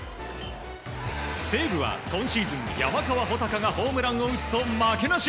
西武は今シーズン、山川穂高がホームランを打つと負けなし。